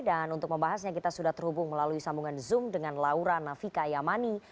dan untuk membahasnya kita sudah terhubung melalui sambungan zoom dengan laura navika yamani